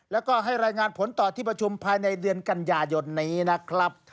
แล้วก็ให้รายงานผลต่อที่ประชุมภายในเดือนกันยายนนี้นะครับ